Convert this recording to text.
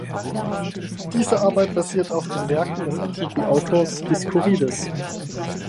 Diese Arbeit basiert auf den Werken des antiken Autors Dioscurides.